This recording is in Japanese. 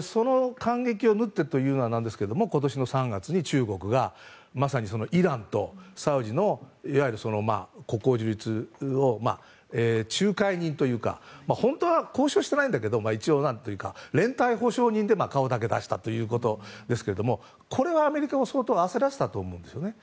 その間隙を縫って今年の３月に中国がまさにイランとサウジのいわゆる国交樹立を仲介人というか本当は交渉してないんだけど一応、連帯保証人で顔だけ出したということですがこれはアメリカを相当焦らせたと思うんですよね。